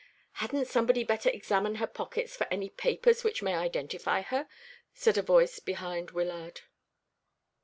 "Hadn't somebody better examine her pockets for any papers which may identify her?" said a voice behind Wyllard.